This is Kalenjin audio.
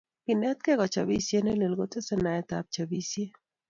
Kenetkei kachopisiet ne lel kotesei naetap chopisiet